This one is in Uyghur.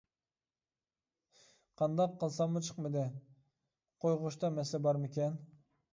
قانداق قىلساممۇ چىقمىدى، قويغۇچتا مەسىلە بارمىكىن.